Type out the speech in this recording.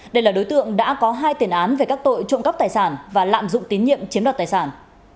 đây là đối tượng đã có hai tiền án về các tội trộm cắp tài sản và lạm dụng tín nhiệm chiếm đoạt tài sản